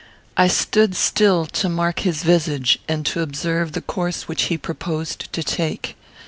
I stood still to mark his visage, and to observe the course which he proposed to take.